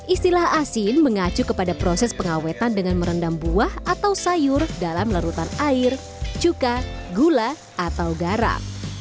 istilah asin mengacu kepada proses pengawetan dengan merendam buah atau sayur dalam larutan air cuka gula atau garam